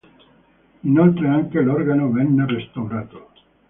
Inoltre anche l'organo venne restaurato.